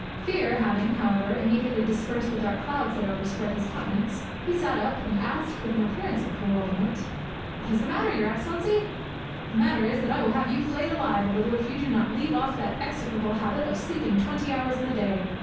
Fear having, however, immediately dispersed the dark clouds that overspread his countenance, he sat up, and asked with an appearance of bewilderment— "What is the matter, your excellency?" "The matter is that I will have you flayed alive a little if you do not leave off that execrable habit of sleeping twenty hours in the day."